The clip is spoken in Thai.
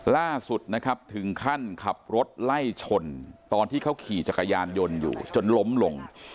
ล่าสุดนะครับถึงขั้นขับรถไล่ชนตอนที่เขาขี่จักรยานยนต์อยู่จนล้มลง